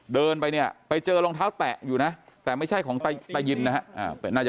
เดินไปเนี่ยไปเจอรองเท้าแตะอยู่นะแต่ไม่ใช่ของตายินนะฮะ